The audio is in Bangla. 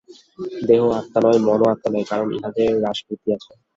দেহ আত্মা নয়, মনও আত্মা নয়, কারণ উহাদের হ্রাসবৃদ্ধি আছে।